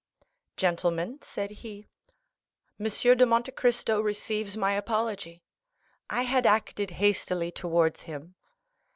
"Gentlemen," said he, "M. de Monte Cristo receives my apology. I had acted hastily towards him.